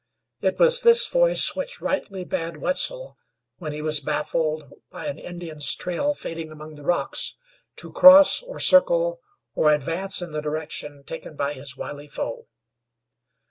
It was this voice which rightly bade Wetzel, when he was baffled by an Indian's trail fading among the rocks, to cross, or circle, or advance in the direction taken by his wily foe.